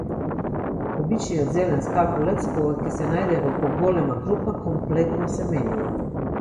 Обичниот зелен скакулец, кога ќе се најде во поголема група, комплетно се менува.